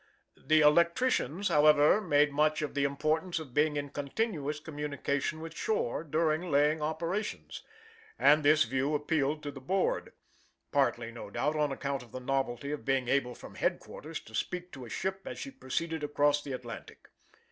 The electricians, however, made much of the importance of being in continuous communication with shore during laying operations; and this view appealed to the Board partly, no doubt, on account of the novelty of being able from headquarters to speak to a ship as she proceeded across the Atlantic.